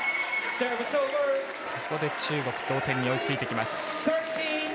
中国同点に追いついてきます。